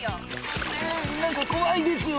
ねえ何か怖いですよ。